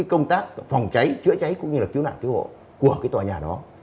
công tác phòng cháy chữa cháy cũng như là cứu nạn cứu hộ của tòa nhà đó